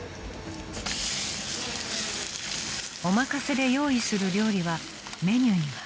［お任せで用意する料理はメニューにはありません］